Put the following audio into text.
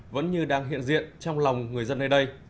vẫn như đang hiện diện trong lòng người dân nơi đây